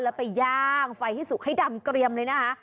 แล้วไปย่างไฟให้สุกให้ดำเกรียมเลยนะคะ